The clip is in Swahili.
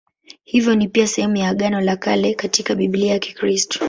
Hivyo ni pia sehemu ya Agano la Kale katika Biblia ya Kikristo.